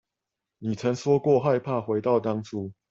你曾說過害怕回到當初